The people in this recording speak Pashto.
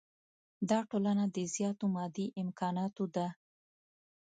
دا ټولنه له زیاتو مادي امکاناتو ده.